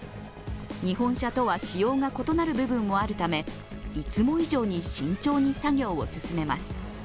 日本車とは仕様が異なる部分もあるため、いつも以上に慎重に作業を進めます。